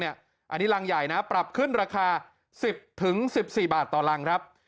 อันนี้รังใหญ่นะปรับขึ้นราคา๑๐๑๔บาทต่อรังครับ